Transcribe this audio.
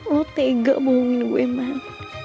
lo tega mau minggu man